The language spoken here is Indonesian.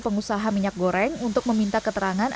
pengusaha minyak goreng untuk meminta keterangan